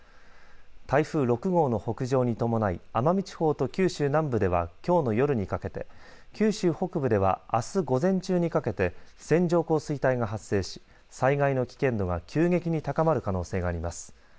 台風６号の北上に伴い奄美地方と九州南部ではきょうの夜にかけて九州北部ではあす午前中にかけて線状降水帯が発生し災害の危険度が急激に高まる可能性があります。